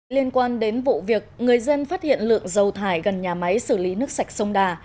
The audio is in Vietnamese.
liên quan đến vụ việc người dân phát hiện lượng dầu thải gần nhà máy xử lý nước sạch sông đà